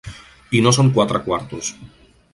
I no són quatre quartos.